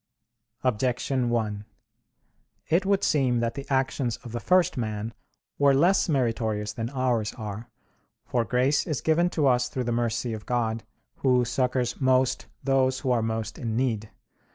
Objection 1: It would seem that the actions of the first man were less meritorious than ours are. For grace is given to us through the mercy of God, Who succors most those who are most in need.